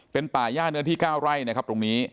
เป็นป่าย่าเนื้อที่๙ไร่นะครับตรงนี้